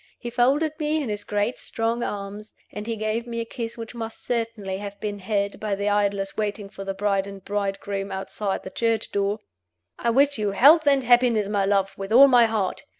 He folded me in his great strong arms, and he gave me a kiss which must certainly have been heard by the idlers waiting for the bride and bridegroom outside the church door. "I wish you health and happiness, my love, with all my heart.